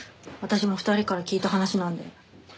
私も２人から聞いた話なんで。